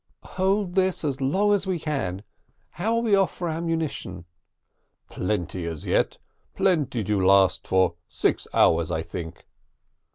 "Hold this as long as we can. How are we off for ammunition?" "Plenty as yet plenty to last for six hours, I think."